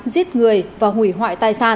giết người và hủy hoại tài sản